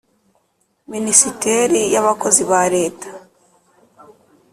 Minisiteri y Abakozi ba leta